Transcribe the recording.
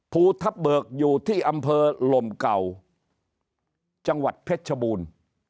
ภูทับเบิกอยู่ที่อำเภอลมเก่าจังหวัดเพชรชบูรณ์